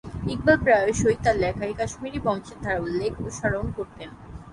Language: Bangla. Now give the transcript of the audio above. ইকবাল প্রায়শই তাঁর লেখায় কাশ্মীরি বংশের ধারা উল্লেখ ও স্মরণ করতেন।